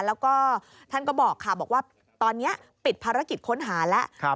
แล้วก็ท่านก็บอกค่ะบอกว่าตอนนี้ปิดภารกิจค้นหาแล้ว